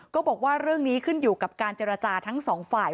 ก็บอกว่าเรื่องนี้ขึ้นอยู่กับการเจรจาทั้งสองฝ่าย